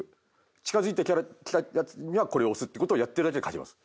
近づいてきたヤツにはこれを押すって事をやってるだけで勝ちます。